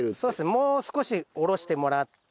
もう少し下ろしてもらって。